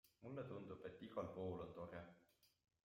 Mulle tundub, et igal pool on tore.